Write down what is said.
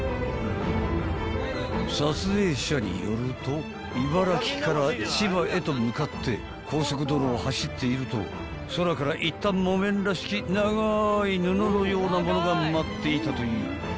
［撮影者によると茨城から千葉へと向かって高速道路を走っていると空から一反木綿らしき長い布のようなものが舞っていたという］